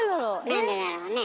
なんでだろうね？